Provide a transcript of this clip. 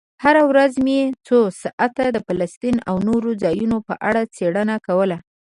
هره ورځ مې څو ساعته د فلسطین او نورو ځایونو په اړه څېړنه کوله.